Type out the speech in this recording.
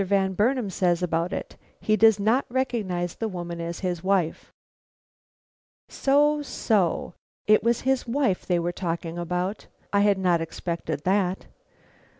VAN BURNAM SAYS ABOUT IT: HE DOES NOT RECOGNIZE THE WOMAN AS HIS WIFE. So, so, it was his wife they were talking about. I had not expected that.